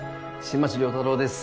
新町亮太郎です